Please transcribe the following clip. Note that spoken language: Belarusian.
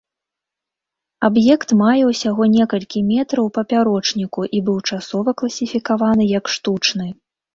Аб'ект мае ўсяго некалькі метраў у папярочніку і быў часова класіфікаваны як штучны.